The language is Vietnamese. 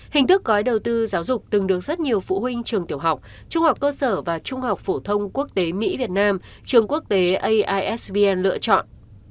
hình thức gói đầu tư giáo dục từng được rất nhiều phụ huynh trường tiểu học trung học cơ sở và trung học phổ thông quốc tế mỹ việt nam trường quốc tế aisb lựa chọn